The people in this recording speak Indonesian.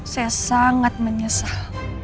saya sangat menyesal